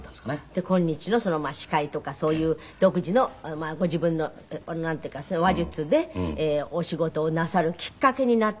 で今日の司会とかそういう独自のご自分のなんていうかそういう話術でお仕事をなさるきっかけになったという。